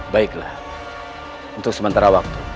baiklah untuk sementara waktu